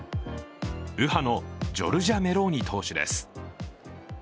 右派のジョルジャ・メローニ党首です。